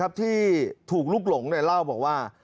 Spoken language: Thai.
แล้วที่ถูกลุกหลงเนี่ยเล่าบอกว่า